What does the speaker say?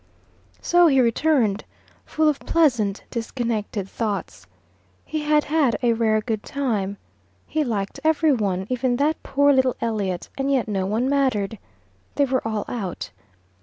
So he returned, full of pleasant disconnected thoughts. He had had a rare good time. He liked every one even that poor little Elliot and yet no one mattered. They were all out.